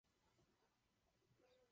Poskytovat Řecku pomoc je zbytečné.